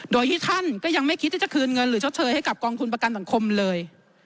โดยที่ท่านก็ยังไม่คิดจะคืนเงินให้กับกองทุนประกันสังคมเลย